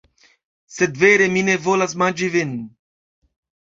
Sed vere, mi ne volas manĝi vin.